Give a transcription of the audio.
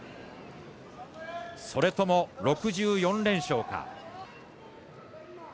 それとも６４連勝か。